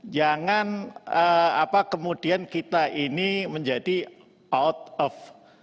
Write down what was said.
jangan apa kemudian kita ini menjadi out of